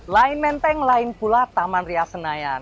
lain menteng lain pula taman ria senayan